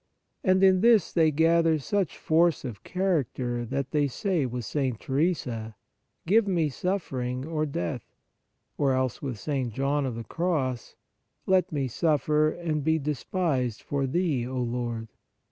And in this they gather such force of character that they say with St. Theresa :" Give me suffer ing or death;" or else with St. John of the Cross :" Let me suffer and be despised for Thee, O Lord."